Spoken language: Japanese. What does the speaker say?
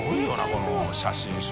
この写真集。